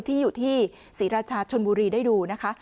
ที่อยู่ที่ศรีราชาชนบุรีได้ดูนะคะ